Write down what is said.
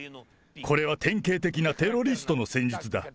これは典型的なテロリストの戦術だ。